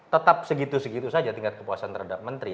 tetap segitu segitu saja tingkat kepuasan terhadap menteri